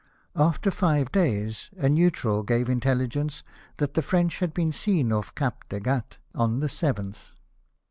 287 After five days a neutral gave intelligence that the French had been seen off Cape de Gatte on the 7 th.